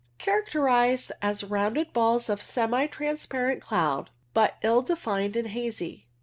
Characterized as rounded balls of semi trans parent cloud, but ill defined and hazy.